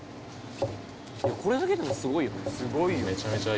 「これだけでもすごいよね」